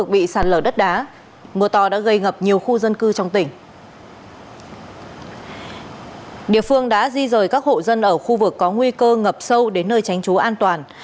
địa phương đã di rời các hộ dân ở khu vực có nguy cơ ngập sâu đến nơi tránh trú an toàn